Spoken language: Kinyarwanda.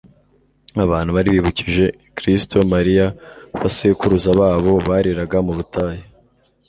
Abantu bari bibukije Kristo mariu ba sekuruza babo bariraga mu butayu,